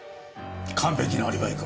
完璧なアリバイか。